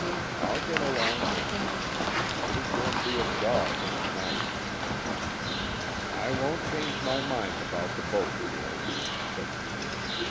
I'll get along home. It is going to be a dog of a night." "I won't change my mind about the boat, George," said Peter.